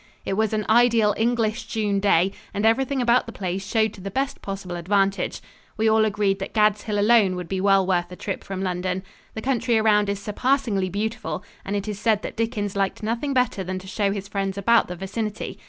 It was an ideal English June day, and everything about the place showed to the best possible advantage. We all agreed that Gad's Hill alone would be well worth a trip from London. The country around is surpassingly beautiful and it is said that Dickens liked nothing better than to show his friends about the vicinity.